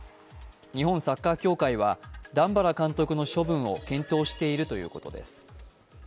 日本サッカー協会は、段原監督の処分を検討しているということです。